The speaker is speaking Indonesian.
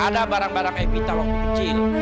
ada barang barang epita waktu kecil